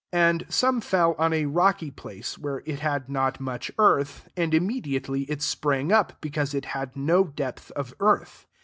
5 And some fell on a rocky place, where it had not much earth; and immediately it sprang up, because it had no depth of earth.